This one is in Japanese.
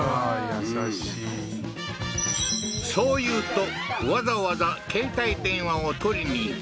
優しいそういうとわざわざ携帯電話を取りにいき